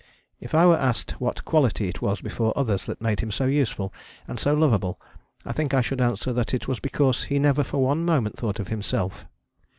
If I were asked what quality it was before others that made him so useful, and so lovable, I think I should answer that it was because he never for one moment thought of himself.